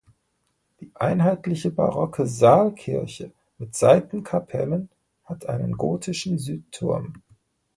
Die einheitliche barocke Saalkirche mit Seitenkapellen hat einen gotischen Südturm.